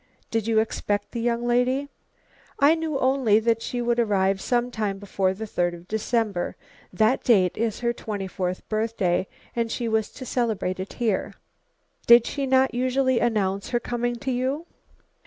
"Did you expect the young lady?" "I knew only that she would arrive sometime before the third of December. That date is her twenty fourth birthday and she was to celebrate it here." "Did she not usually announce her coming to you?"